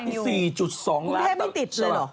กรุงเทพไม่ติดเลยเหรอ